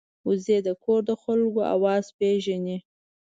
وزې د کور د خلکو آواز پېژني